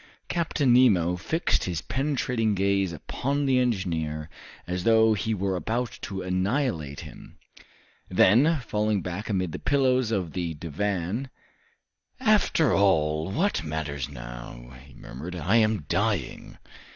Captain Nemo fixed his penetrating gaze upon the engineer, as though he were about to annihilate him. Then, falling back amid the pillows of the divan, "After all, what matters now?" he murmured; "I am dying!"